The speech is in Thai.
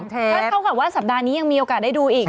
๒เทปครับกับเวลาสัปดาห์นี้ยังมีโอกาสให้ดูอีก